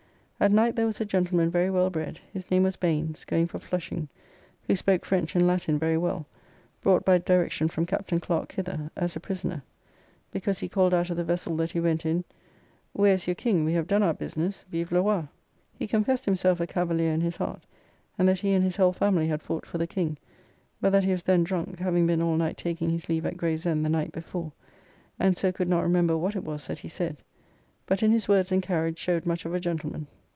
At night there was a gentleman very well bred, his name was Banes, going for Flushing, who spoke French and Latin very well, brought by direction from Captain Clerke hither, as a prisoner, because he called out of the vessel that he went in, "Where is your King, we have done our business, Vive le Roi." He confessed himself a Cavalier in his heart, and that he and his whole family had fought for the King; but that he was then drunk, having been all night taking his leave at Gravesend the night before, and so could not remember what it was that he said; but in his words and carriage showed much of a gentleman.